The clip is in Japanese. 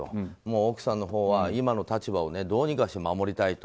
奥さんのほうは今の立場をどうにかして守りたいと。